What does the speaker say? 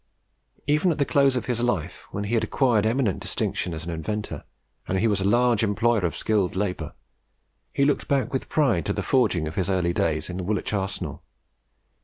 Even at the close of his life, when he had acquired eminent distinction as an inventor, and was a large employer of skilled labour, he looked back with pride to the forging of his early days in Woolwich Arsenal.